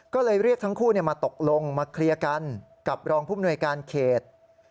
ก็เลยเรียกทั้งคู่มาตกลงมาเคลียร์กันกับรองภูมิหน่วยการเขต